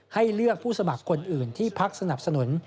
ให้เลือกผู้สมัครคนอื่นที่พักสนับสนุน